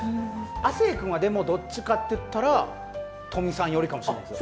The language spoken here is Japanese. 亜生君はでもどっちかっていったら富さんよりかもしれないです。